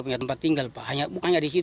punya tempat tinggal pak bukannya di situ